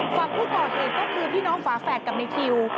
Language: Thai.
ฝั่งผู้ก่อเหตุก็คือพี่น้องฝาแฝดกับในคิว